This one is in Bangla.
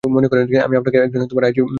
আমি আপনাকে একজন আইনজীবীর নম্বর দিচ্ছি।